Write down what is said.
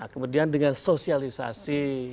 kemudian dengan sosialisasi